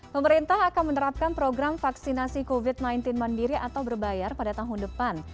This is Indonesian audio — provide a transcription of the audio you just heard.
pemerintah akan menerapkan program vaksinasi covid sembilan belas mandiri atau berbayar pada tahun depan